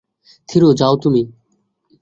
থিরু, যাও তুমি।